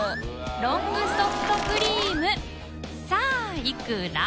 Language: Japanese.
ロングソフトクリームさぁいくら？